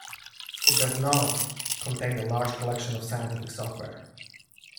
It does not contain a large collection of scientific software.